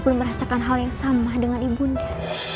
dia merasakan hal yang sama dengan ibu nia